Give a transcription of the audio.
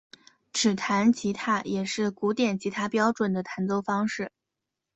指弹吉他也是古典吉他标准的弹奏方式。